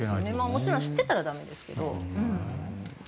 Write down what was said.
もちろん知っていたら駄目ですけど。